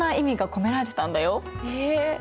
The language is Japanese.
へえ！